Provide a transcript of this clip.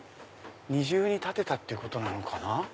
二重に建てたってことなのかな？